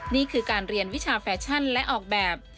นี่คือการเรียนวิชาแฟชั่นและออกแบบ